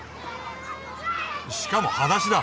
しかもはだしだ。